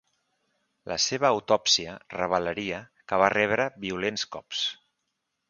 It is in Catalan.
La seva autòpsia revelaria que va rebre violents cops.